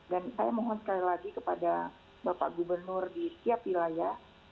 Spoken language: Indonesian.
dan saya mohon sekali lagi kepada bapak gubernur di setiap wilayah